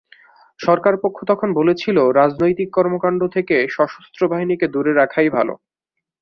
সরকারপক্ষ তখন বলেছিল, রাজনৈতিক কর্মকাণ্ড থেকে সশস্ত্র বাহিনীকে দূরে রাখাই ভালো।